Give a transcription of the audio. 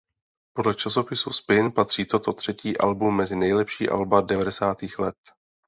Podle časopisu Spin patří toto třetí album mezi nejlepší alba devadesátých let.